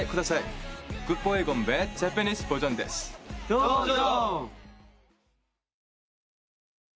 どうぞ。